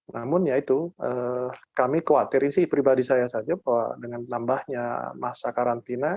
namun yaitu kami khawatirin sih pribadi saya saja bahwa dengan tambahnya masa karantina